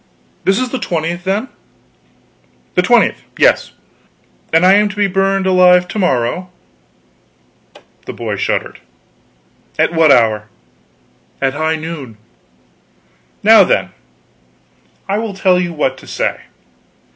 This is the 20th, then?" "The 20th yes." "And I am to be burned alive to morrow." The boy shuddered. "At what hour?" "At high noon." "Now then, I will tell you what to say."